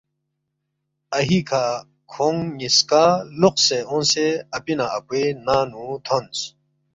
اَہیکھہ کھونگ نِ٘یسکا لوقسے اونگسے اپی نہ اپوے ننگ نُو تھونس